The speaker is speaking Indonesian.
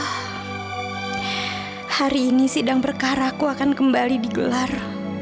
hari ini sidang perkara aku akan kembali digelar